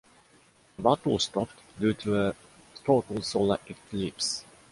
The battle stopped due to a total solar eclipse.